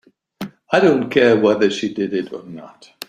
I don't care whether she did or not.